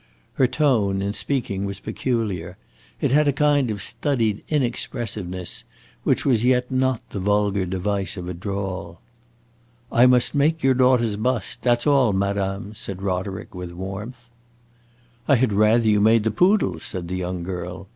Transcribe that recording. Her tone, in speaking, was peculiar; it had a kind of studied inexpressiveness, which was yet not the vulgar device of a drawl. "I must make your daughter's bust that 's all, madame!" cried Roderick, with warmth. "I had rather you made the poodle's," said the young girl.